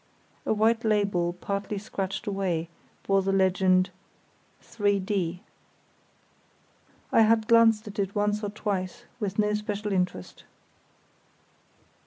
A white label partly scratched away bore the legend "3_d_." I had glanced at it once or twice with no special interest.